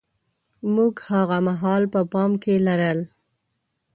موږ هاغه مهال په پام کې لرل.